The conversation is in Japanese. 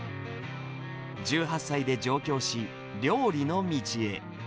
１８歳で上京し、料理の道へ。